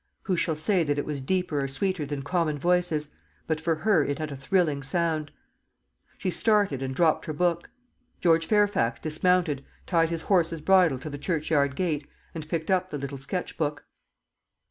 Who shall say that it was deeper or sweeter than, common voices? but for her it had a thrilling sound. She started and dropped her book. George Fairfax dismounted, tied his horse's bridle to the churchyard gate, and picked up the little sketch book.